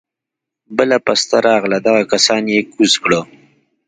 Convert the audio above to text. بله پسته راغله دغه کسان يې کوز کړه.